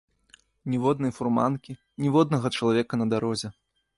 Ніводнай фурманкі, ніводнага чалавека на дарозе.